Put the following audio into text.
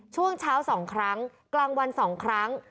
ช่วงเช้า๒ครั้งกลางวัน๒ครั้ง